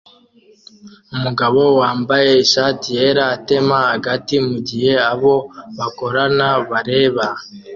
Umugabo wambaye ishati yera atema agati mugihe abo bakorana bareba